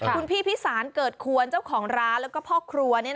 คุณพี่พิสารเกิดควรเจ้าของร้านแล้วก็พ่อครัว